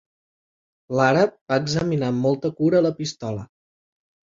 L'àrab va examinar amb molta cura la pistola.